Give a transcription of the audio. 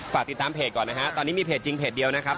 ฝากติดตามเพจก่อนนะฮะตอนนี้มีเพจจริงเพจเดียวนะครับ